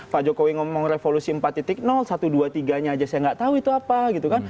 pak jokowi ngomong revolusi empat satu dua tiga nya saja saya tidak tahu itu apa